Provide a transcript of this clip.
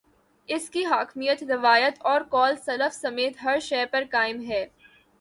اس کی حاکمیت، روایت اور قول سلف سمیت ہر شے پر قائم ہے۔